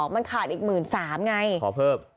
มันขาดอีก๑๓๐๐๐ไง